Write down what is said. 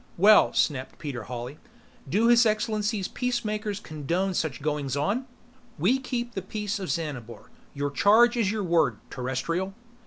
"Well," snapped Peter Hawley, "do His Excellency's Peacemakers condone such goings on?" "We keep the Peace of Xanabar. Your charge is your word, Terrestrial."